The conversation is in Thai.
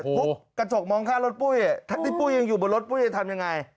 พบกระจกมองข้างรถปุ้ยถ้าที่ปุ้ยยังอยู่บนรถปุ้ยจะทำยังไง